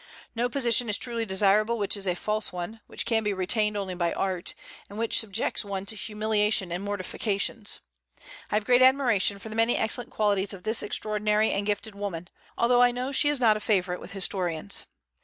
No position is truly desirable which is a false one, which can be retained only by art, and which subjects one to humiliation and mortifications. I have great admiration for the many excellent qualities of this extraordinary and gifted woman, although I know that she is not a favorite with historians.